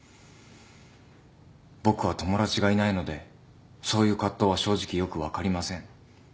僕は友達がいないのでそういう葛藤は正直よく分かりません。